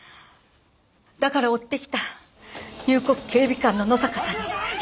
だから追ってきた入国警備官の野坂さんに引き渡そうとしたわ。